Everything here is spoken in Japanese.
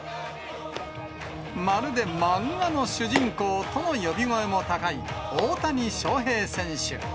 まるで漫画の主人公との呼び声も高い、大谷翔平選手。